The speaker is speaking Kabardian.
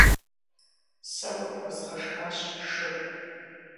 Сэ уэ пхуэзгъэшхащ шы.